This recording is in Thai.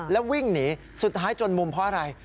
แล้ววิ่งหนีสุดท้ายจนมุมเพราะอะไร